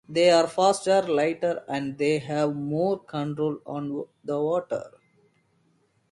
They are faster, lighter, and they have more control on the water.